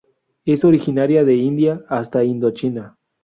Es originaria de India hasta Indochina.